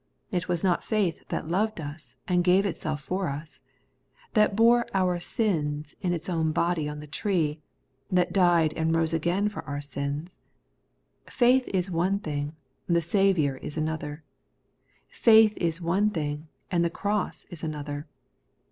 It was not faith that loved us, and gave itself for us ; that bore our sins in its own body on the tree ; that died and rose again for our sins. Faith is one thing, the Saviour is another. Faith is one thing, and the cross is another.